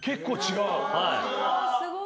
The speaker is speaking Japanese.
すごい。